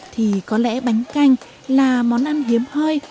thì có lẽ bánh canh là món ăn hiếm hoi